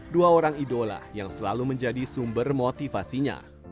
dua orang idola yang selalu menjadi sumber motivasinya